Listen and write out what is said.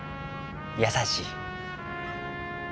優しい。